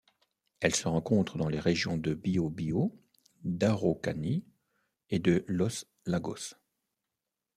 Elle se rencontre dans les régions de Biobío, d'Araucanie et de Los Lagos.